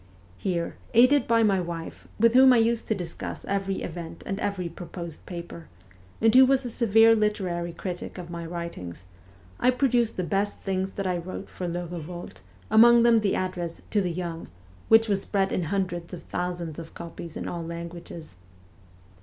Here, aided by my wife, with whom I used to discuss every event and every proposed paper, and who was a severe literary critic of my writings, I produced the best things that I wrote for ' Le Eevolte,' among them the address ' To the Young/ which was spread in hundreds of thousands of copies in all languages.